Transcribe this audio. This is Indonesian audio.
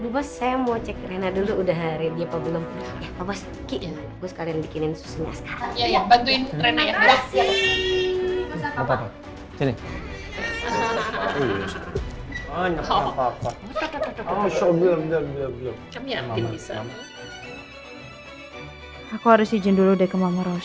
bu bos saya mau cek rena dulu udah ready apa belum